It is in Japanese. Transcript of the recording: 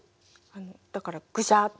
だからグシャッて。